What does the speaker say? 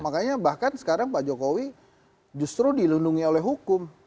makanya bahkan sekarang pak jokowi justru dilindungi oleh hukum